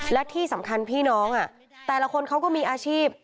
และที่สำคัญพี่น้องแต่ละคนเขาก็มีอาชีพ